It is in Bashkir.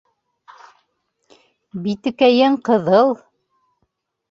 Битекәйең ҡыҙыл